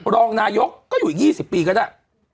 รองนายกก็อยู่อีก๒๐ปีก็ได้